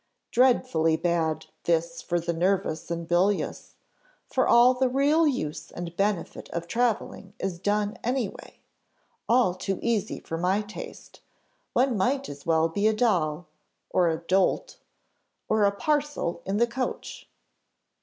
Dreadfully bad this for the nervous and bilious, for all the real use and benefit of travelling is done away; all too easy for my taste; one might as well be a doll, or a dolt, or a parcel in the coach."